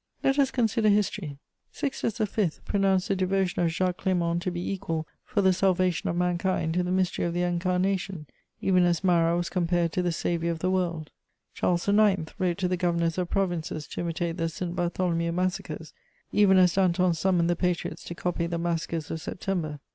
Let us consider history: Sixtus V. pronounced the devotion of Jacques Clément to be equal, for the salvation of mankind, to the mystery of the Incarnation, even as Marat was compared to the Saviour of the World; Charles IX. wrote to the governors of provinces to imitate the St. Bartholomew massacres, even as Danton summoned the patriots to copy the massacres of September.